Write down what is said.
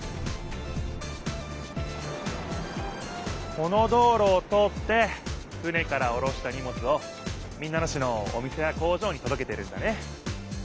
この道ろを通って船からおろしたにもつを民奈野市のお店や工場にとどけてるんだね。